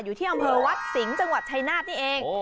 อยู่ที่อำเภอวัดสิงห์จังหวัดชายนาฏนี่เอง